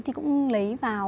thì cũng lấy vào